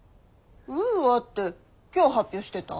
ウーアって今日発表してた。